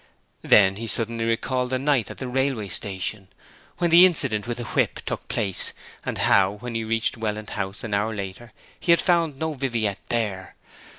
Then he suddenly recalled the night at the railway station, when the accident with the whip took place, and how, when he reached Welland House an hour later, he had found no Viviette there.